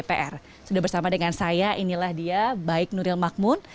sudah bersama dengan saya inilah dia baik nuril makmun